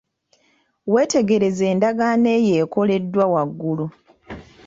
Weetegereze endagaano eyo ekoleddwa waggulu.